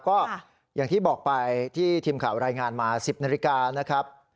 ก็อย่างที่บอกไปที่ทีมข่าวรายงานมา๑๐นาฬิกานะครับ